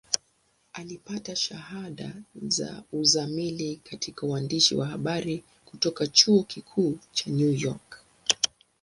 Alipata shahada ya uzamili katika uandishi wa habari kutoka Chuo Kikuu cha New York.